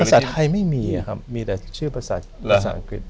ภาษาไทยไม่มีครับมีแต่ชื่อภาษาอังกฤษ